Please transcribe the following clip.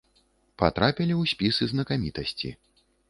Патрапілі ў спіс і знакамітасці.